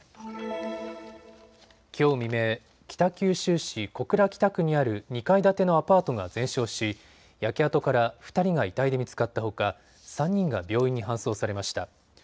きょう未明、北九州市小倉北区にある２階建てのアパートが全焼し焼け跡から２人が遺体で見つかったほか３人が病院に搬送されました。